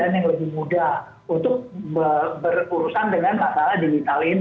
kalau baby boomers mungkin ya tahu dirilah urus yang lain lah yang bijak bijak terlalu digital